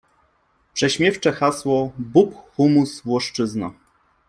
Prześmiewcze hasło: Bób, hummus, włoszczyzna.